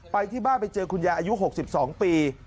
ไปที่บ้านไปเจอคุณยายอายุ๖๒ปี